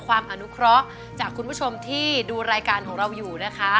อนุเคราะห์จากคุณผู้ชมที่ดูรายการของเราอยู่นะคะ